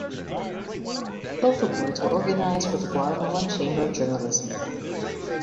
Both awards were organized with the Guatemalan Chamber of Journalism.